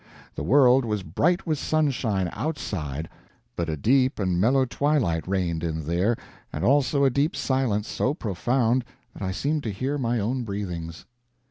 The world was bright with sunshine outside, but a deep and mellow twilight reigned in there, and also a deep silence so profound that I seemed to hear my own breathings.